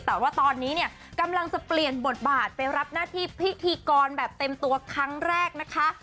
แต่ว่าตอนนี้เนี่ยกำลังจะเปลี่ยนบทบาทไปรับหน้าที่พิธีกรแบบเต็มตัวครั้งแรกนะคะ